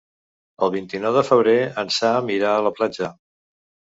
El vint-i-nou de febrer en Sam irà a la platja.